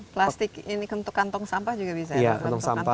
plastik ini untuk kantong sampah juga bisa ya